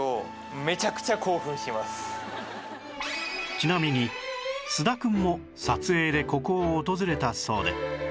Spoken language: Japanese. ちなみに菅田くんも撮影でここを訪れたそうで